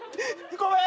ごめん！